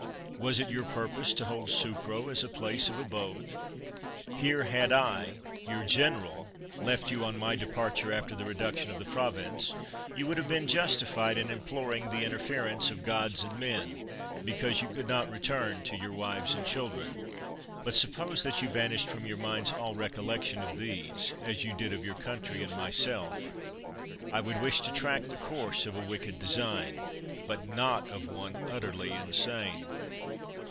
Was it your purpose to hold Sucro as a place of abode? here had I, your general, left you on my departure after the reduction of the prov ince, you would have been justified in imploring the interference of gods and men, because you could not return to your wives and children. But suppose that you banished from your minds all recollection of these, as you did of your country and myself ; I would wish to track the course of a wicked design, but not of one utterly insane.